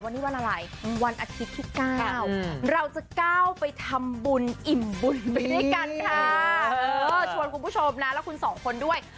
วันนี้วันอะไรวันอาทิตย์ที่๙เราจะก้าวไปทำบุญอิ่มบุญไปด้วยกันค่ะชวนคุณผู้ชมนะแล้วคุณสองคนด้วย